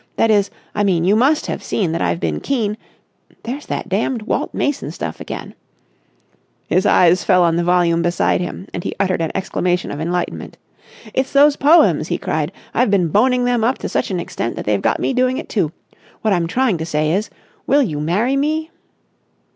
That is, I mean, you must have seen that I've been keen.... There's that damned Walt Mason stuff again!" His eyes fell on the volume beside him and he uttered an exclamation of enlightenment. "It's those poems!" he cried. "I've been boning them up to such an extent that they've got me doing it too. What I'm trying to say is, Will you marry me?"